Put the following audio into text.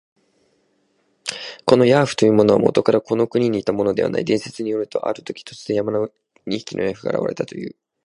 このヤーフというものは、もとからこの国にいたものではない。伝説によると、あるとき、突然、山の上に二匹のヤーフが現れたという。